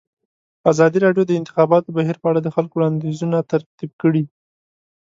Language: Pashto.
ازادي راډیو د د انتخاباتو بهیر په اړه د خلکو وړاندیزونه ترتیب کړي.